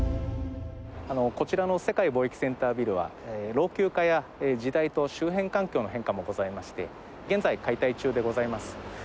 こちらの世界貿易センタービルは、老朽化や時代と周辺環境の変化もございまして、現在、解体中でございます。